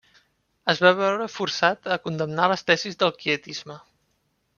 Es va veure forçat a condemnar les tesis del quietisme.